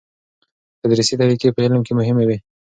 د تدریس طریقی په علم کې مهمې دي.